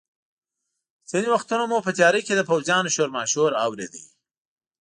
ځینې وختونه مو په تیاره کې د پوځیانو شورماشور اورېده.